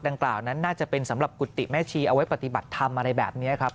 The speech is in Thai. ดังกล่าวนั้นน่าจะเป็นสำหรับกุฏิแม่ชีเอาไว้ปฏิบัติธรรมอะไรแบบนี้ครับ